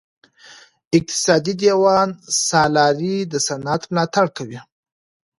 اقتصادي دیوان سالاري د صنعت ملاتړ کوي.